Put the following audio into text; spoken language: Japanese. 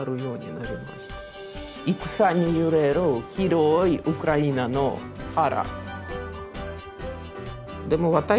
戦に揺れる広いウクライナの原。